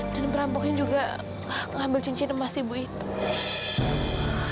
dan perampoknya juga ngambil cincin emas ibu itu